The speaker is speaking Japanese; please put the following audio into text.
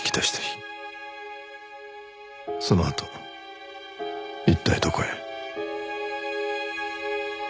そのあと一体どこへ？